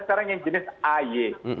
sekarang yang jenis ay